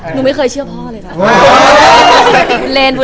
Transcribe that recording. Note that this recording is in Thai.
หนูไม่เคยเชื่อพ่อเลยนะ